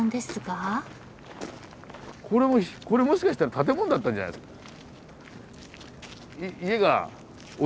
これもしかしたら建物だったんじゃないですか？